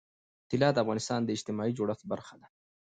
طلا د افغانستان د اجتماعي جوړښت برخه ده.